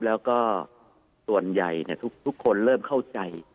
แล้วก็ส่วนใหญ่ทุกคนเริ่มเข้าใจ